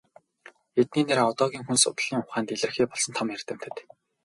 Эдний нэр одоогийн хүн судлалын ухаанд илэрхий болсон том эрдэмтэд.